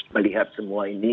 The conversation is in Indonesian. melihat semua ini